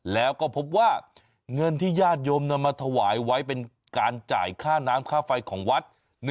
แล้วก็พบว่าเงินที่ญาติโยมนำมาถวายไว้เป็นการจ่ายค่าน้ำค่าไฟของวัด